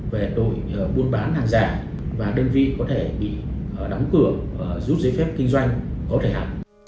về đội buôn bán hàng giả và đơn vị có thể bị đóng cửa giúp giấy phép kinh doanh có thể hẳn